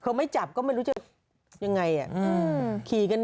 เขาไม่จับแล้วก็ไม่รู้ยังไง